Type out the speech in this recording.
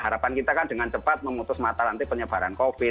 harapan kita kan dengan cepat memutus mata nanti penyebaran covid